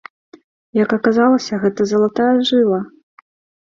Як аказалася, гэта залатая жыла!